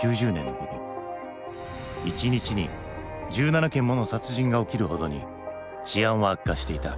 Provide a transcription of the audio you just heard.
１日に１７件もの殺人が起きるほどに治安は悪化していた。